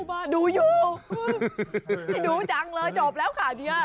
ไม่ดูจังเลยจบแล้วขาดเฮีย